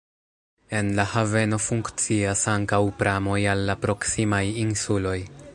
En la haveno funkcias ankaŭ pramoj al la proksimaj insuloj.